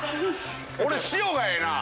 俺塩がええな。